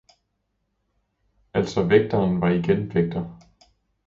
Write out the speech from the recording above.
Altså vægteren var igen vægter.